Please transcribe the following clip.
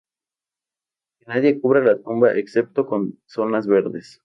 Que nadie cubra la tumba excepto con zonas verdes.